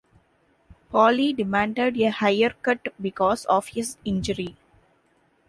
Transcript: Paulie demanded a higher cut because of his injury.